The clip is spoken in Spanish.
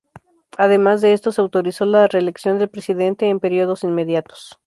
Además de esto se autorizó la reelección del presidente en períodos inmediatos.